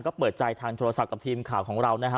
ก็เปิดใจทางโทรศัพท์กับทีมข่าวของเรานะฮะ